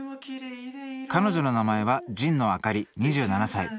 彼女の名前は神野明里２７歳。